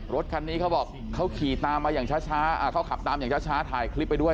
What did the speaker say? รถคันนี้เขาบอกเขาขี่ตามมาอย่างช้าเขาขับตามอย่างช้าถ่ายคลิปไปด้วย